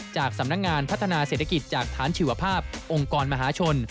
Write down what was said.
จากสำนักงานพัฒนาเศรษฐกิจจากฐานชีวภาพองค์กรมหาชน